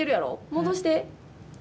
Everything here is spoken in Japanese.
戻して。